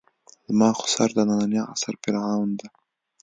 زما خُسر د نني عصر فرعون ده.